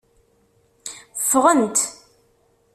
Ffɣent.